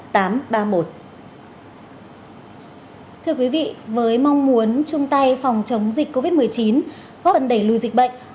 thưa quý vị với mong muốn chung tay phòng chống dịch covid một mươi chín góp phần đẩy lùi dịch bệnh